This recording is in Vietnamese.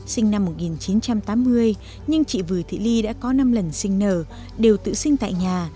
sinh năm một nghìn chín trăm tám mươi nhưng chị vừa thị ly đã có năm lần sinh nở đều tự sinh tại nhà